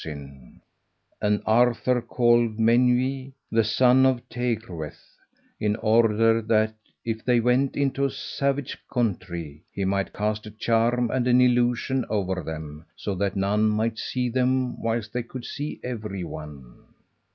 And Arthur called Menw, the son of Teirgwaeth, in order that if they went into a savage country, he might cast a charm and an illusion over them, so that none might see them whilst they could see every one.